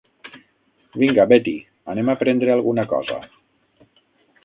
Vinga, Betty, anem a prendre alguna cosa.